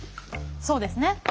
そうですね。